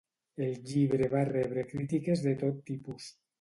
El llibre va rebre crítiques de tot tipus.